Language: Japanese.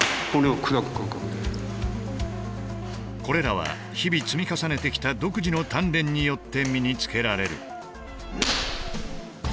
これらは日々積み重ねてきた独自の鍛錬によって身につけられる。